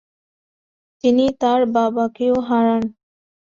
তিনি তাঁর বাবাকেও হারান।